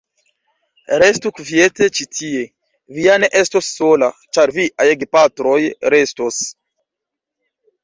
Restu kviete ĉi tie, vi ja ne estos sola, ĉar viaj gepatroj restos.